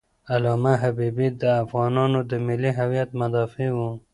علامه حبیبي د افغانانو د ملي هویت مدافع و.